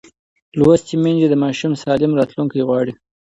لوستې میندې د ماشوم سالم راتلونکی غواړي.